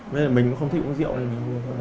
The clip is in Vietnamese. vậy là mình cũng không thích uống rượu này